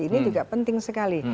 ini juga penting sekali